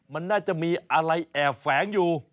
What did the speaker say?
มันน่าจะมีอะไรแอบแฝงอยู่